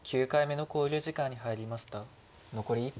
残り１分です。